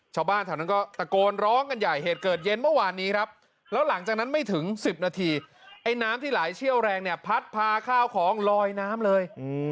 ชาวบ้านแถวนั้นก็ตะโกนร้องกันใหญ่เหตุเกิดเย็นเมื่อวานนี้ครับแล้วหลังจากนั้นไม่ถึง๑๐นาทีไอ้น้ำที่ไหลเชี่ยวแรงเนี่ยพัดพาข้าวของลอยน้ำเลย